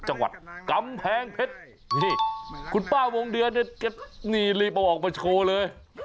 จังหวัดกำแพงเพชรนี่คุณป้าวงเดือนเนี่ยแกนี่รีบเอาออกมาโชว์เลย